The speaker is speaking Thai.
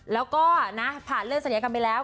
แล้วก็นะผ่านเรื่องศัลยกรรมไปแล้ว